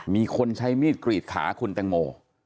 มีคนใช้มีดกรีดขาคุณแตงโม